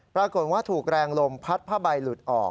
ปรากฏว่าถูกแรงลมพัดผ้าใบหลุดออก